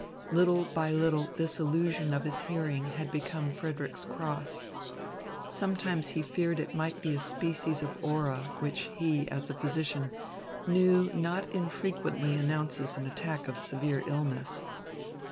Little by little this illusion of his hearing had become Frederick's cross. Sometimes he feared it might be a species of aura, which he, as a physician, knew not infrequently announces an attack of severe illness.